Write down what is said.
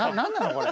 これ。